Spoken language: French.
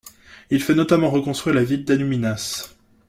Il fait notamment reconstruire la ville d'Annúminas.